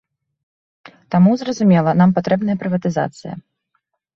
Таму, зразумела, нам патрэбная прыватызацыя.